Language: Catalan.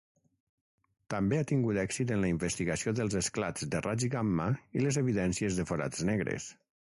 També ha tingut èxit en la investigació dels esclats de raigs gamma i les evidències de forats negres.